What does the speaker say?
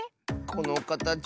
このかたち